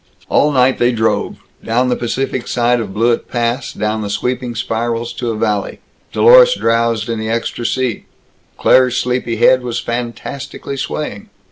All night they drove; down the Pacific side of Blewett Pass; down the sweeping spirals to a valley. Dlorus drowsed in the extra seat. Claire's sleepy head was fantastically swaying.